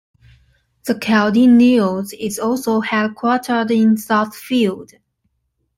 The "Chaldean News" is also headquartered in Southfield.